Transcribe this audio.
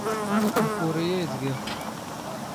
ⴰⴽⵓⵔⵉ ⴰⵢⴷ ⴳⵉⵖ.